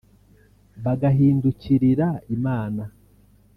bagahindukirira Imana